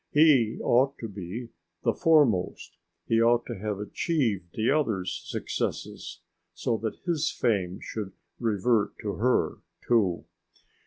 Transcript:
He ought to be the foremost, he ought to have achieved the others' successes, so that his fame should revert to her too.